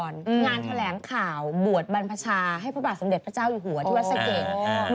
งานแถลงข่าวบวชบรรพชาให้พระบาทสมเด็จพระเจ้าอยู่หัวที่วัดสะเกด